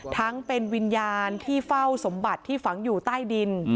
ทั้งเป็นวิญญาณที่เฝ้าสมบัติที่ฝังอยู่ใต้ดิน